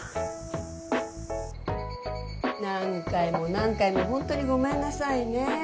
何回も何回もホントにごめんなさいね。